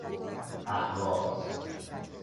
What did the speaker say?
اهواز